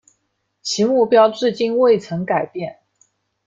其目标至今未曾改变。